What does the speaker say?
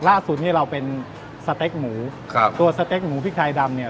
ล่าสุดนี้เราเป็นสเต็กหมูครับตัวสเต็กหมูพริกไทยดำเนี่ย